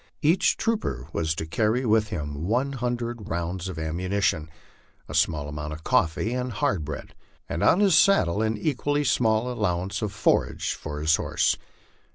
Each trooper was to cany with him one hundred rounds of ammunition, a small amount of coffee and hard bread, and on his saddle an equally small allowance of forage for his horse.